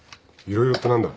色々って何だ。